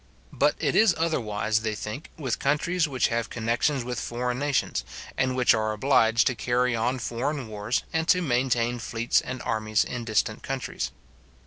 But it is otherwise, they think, with countries which have connections with foreign nations, and which are obliged to carry on foreign wars, and to maintain fleets and armies in distant countries.